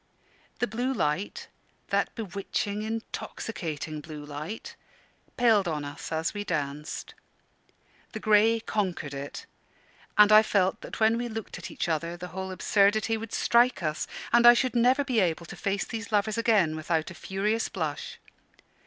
The blue light that bewitching, intoxicating blue light paled on us as we danced. The grey conquered it, and I felt that when we looked at each other the whole absurdity would strike us, and I should never be able to face these lovers again without a furious blush.